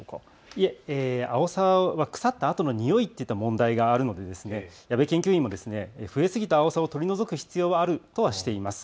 いえ、アオサは腐ったあとのにおいといった問題があるので矢部研究員も増えすぎたアオサを取り除く必要はあるとはしています。